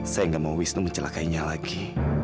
saya nggak mau wisnu mencelakainya lagi